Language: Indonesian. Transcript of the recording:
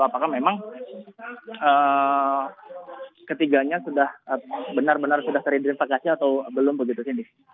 apakah memang ketiganya sudah benar benar sudah teridentifikasi atau belum begitu cyndi